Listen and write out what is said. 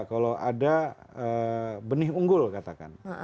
kalau ada benih unggul katakan